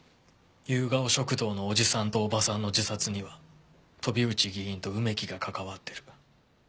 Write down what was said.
ゆうがお食堂のおじさんとおばさんの自殺には飛内議員と梅木が関わってる。